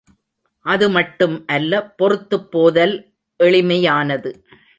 அது மட்டும் அல்ல, பொறுத்துப் போதல் எளிமையானது.